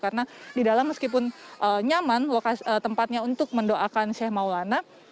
karena di dalam meskipun nyaman tempatnya untuk mendoakan seh maulana